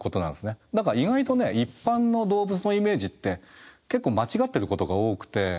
だから意外と一般の動物のイメージって結構間違ってることが多くて。